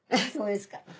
そうですか？